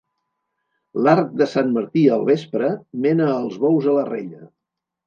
L'arc de sant Martí al vespre, mena els bous a la rella.